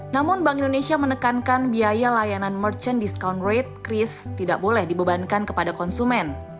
namun bank indonesia menekankan biaya layanan merchant discount rate cris tidak boleh dibebankan kepada konsumen